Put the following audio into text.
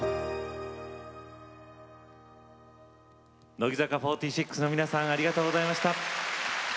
乃木坂４６の皆さんありがとうございました。